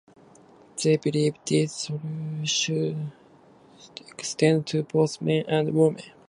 They believe this should extend to both men and women.